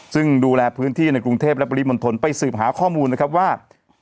ซึ่งดูแลพื้นที่ในกรุงเทพและปริมณฑลไปสืบหาข้อมูลนะครับว่า